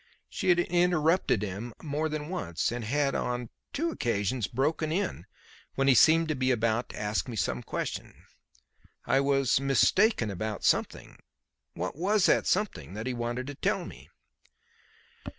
She had interrupted him more than once, and had on two occasions broken in when he seemed to be about to ask me some question. I was "mistaken" about something. What was that something that he wanted to tell me?